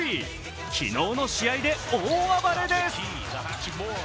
昨日の試合で大暴れです。